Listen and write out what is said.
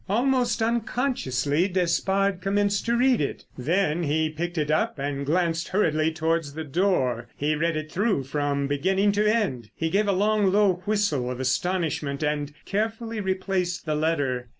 Almost unconsciously, Despard commenced to read it. Then he picked it up and glanced hurriedly towards the door; he read it through from beginning to end. He gave a long, low whistle of astonishment, and carefully replaced the letter.